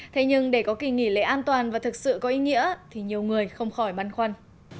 thế nhưng để có kỳ nghỉ lễ an toàn và thực sự có ý nghĩa thì nhiều người không khỏi băn khoăn